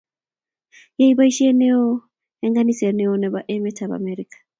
yoee boishet eng kaniset neoo eng emetab America